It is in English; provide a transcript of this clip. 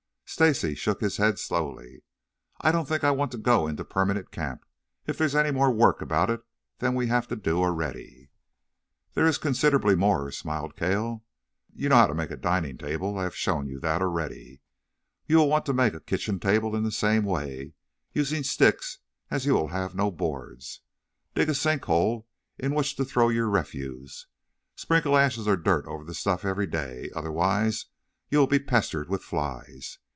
Stacy shook his head slowly. "I don't think I want to go into permanent camp, if there's any more work about it than we have to do already." "There is considerably more," smiled Cale. "You know how to make a dining table. I have shown you that already. You will want to make a kitchen table in the same way, using sticks, as you will have no boards. Dig a sink hole into which to throw your refuse, sprinkling ashes or dirt over the stuff every day, otherwise you will be pestered with flies.